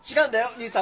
兄さん